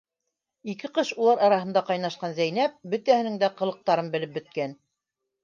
Ике ҡыш улар араһында ҡайнашҡан Зәйнәп бөтәһенең дә ҡылыҡтарын белеп бөткән.